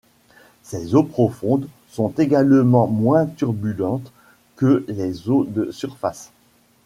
Ces eaux profondes sont également moins turbulentes que les eaux de surface.